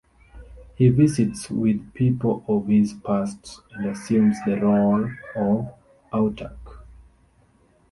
He visits with people of his past and assumes the role of Autarch.